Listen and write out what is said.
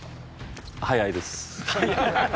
早いです。